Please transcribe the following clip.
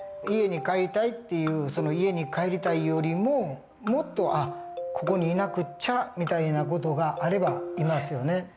家に帰りたいっていう家に帰りたいよりももっと「あっここにいなくっちゃ」みたいな事があればいますよね。